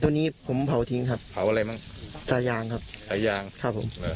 ตัวนี้ผมเผาทิ้งครับเผาอะไรบ้างตายางครับตายางครับผม